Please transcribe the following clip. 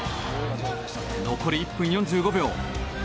残り１分４５秒。